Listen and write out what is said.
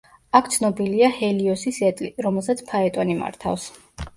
აქ ცნობილია ჰელიოსის ეტლი, რომელსაც ფაეტონი მართავს.